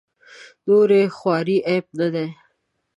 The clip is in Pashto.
نورې خوارۍ عیب نه دي.